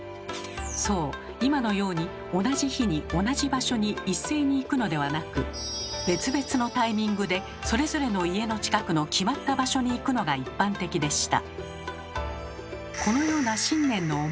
そう今のように同じ日に同じ場所に一斉に行くのではなく別々のタイミングでそれぞれの家の近くの決まった場所に行くのが一般的でした。